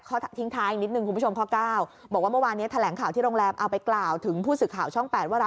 ค่าทิ้งท้ายอีกนิดนึงคุณผู้ชมข้อเก้า